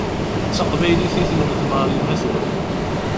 D taqbaylit i tlemdem ar yemma-twen.